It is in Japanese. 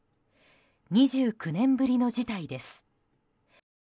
２９年ぶりの事態です。